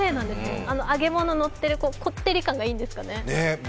揚げ物がのっているこってり感がいいんですかね。